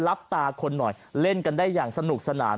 รับตาคนหน่อยเล่นกันได้อย่างสนุกสนาน